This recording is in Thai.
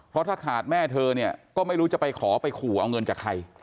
เพราะถ้าขาดแม่เธอเนี่ยก็ไม่รู้จะไปขอไปขู่เอาเงินจากใคร